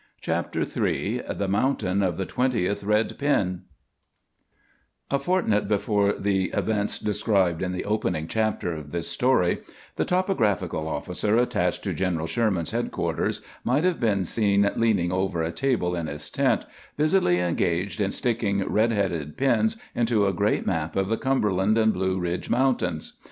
CHAPTER III THE MOUNTAIN OF THE TWENTIETH RED PIN A fortnight before the events described in the opening chapter of this story, the topographical officer attached to General Sherman's headquarters might have been seen leaning over a table in his tent, busily engaged in sticking red headed pins into a great map of the Cumberland and Blue Ridge Mountains.